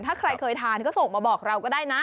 ถ้าใครเคยทานก็ส่งมาบอกเราก็ได้นะ